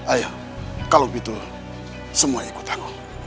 ayo kalau begitu semua ikut aku